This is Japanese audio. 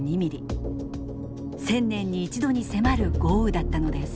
１０００年に１度に迫る豪雨だったのです。